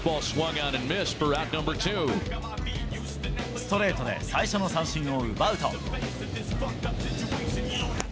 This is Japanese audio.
ストレートで最初の三振を奪うと。